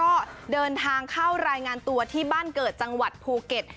ก็เดินทางเข้ารายงานตัวที่บ้านเกิดจังหวัดภูเก็ต